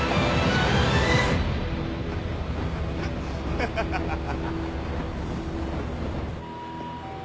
ハハハハハ。